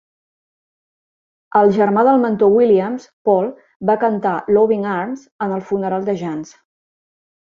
El germà del mentor Williams, Paul, va cantar "Loving Arms" en el funeral de Jans.